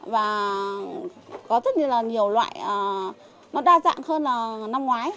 và có rất nhiều loại nó đa dạng hơn là năm ngoái